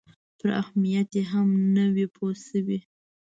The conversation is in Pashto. پر اهمیت یې هم نه وي پوه شوي.